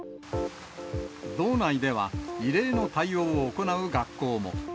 道内では、異例の対応を行う学校も。